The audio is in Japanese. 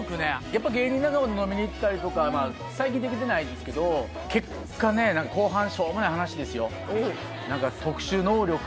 やっぱ芸人仲間と飲みに行ったりとか最近できてないですけど結果ね後半しょうもない話ですよおおうわ